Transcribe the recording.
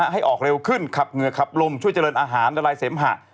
ให้ออกเร็วขึ้นขับเหงื่อขับลมช่วยเจริญอาหารละลายเสมหะ